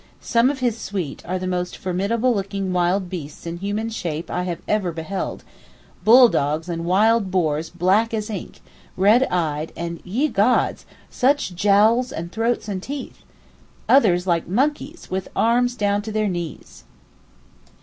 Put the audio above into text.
Some of his suite are the most formidable looking wild beasts in human shape I ever beheld—bulldogs and wild boars black as ink, red eyed, and, ye gods! such jowls and throats and teeth!—others like monkeys, with arms down to their knees.